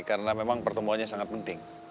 karena memang pertemuannya sangat penting